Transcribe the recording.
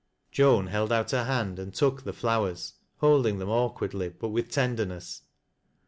Joan held out her hand, and took the flowers, holding them awkwardly, but with tenderness.